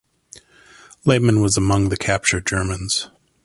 Lehmann was among the captured Germans.